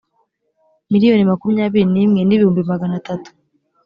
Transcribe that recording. miliyoni makumyabiri n imwe n ibihumbi magana atatu